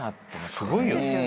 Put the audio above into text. すごいよね。